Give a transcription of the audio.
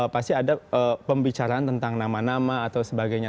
pasti ada pembicaraan tentang nama nama atau sebagainya